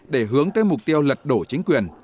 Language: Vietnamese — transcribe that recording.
để hướng tới mục tiêu lật đổ chính quyền